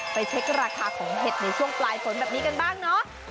เช็คราคาของเห็ดในช่วงปลายฝนแบบนี้กันบ้างเนาะ